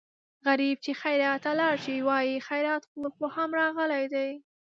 غریب چې خیرات ته لاړ شي وايي خیراتخور خو هم راغلی دی.